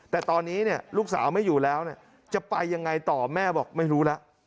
แต่ตอนนี้ลูกสาวไม่อยู่แล้วจะไปยังไงต่อแม่บอกไม่รู้แล้ว